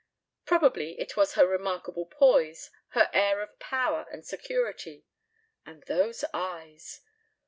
Probably it was her remarkable poise, her air of power and security and those eyes!